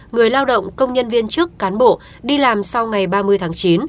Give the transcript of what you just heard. người lao động công nhân viên trước cán bộ đi làm sau ngày ba mươi tháng chín